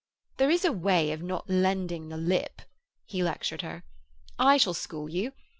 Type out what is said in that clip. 'There is a way of not lending the lip,' he lectured her. 'I shall school you.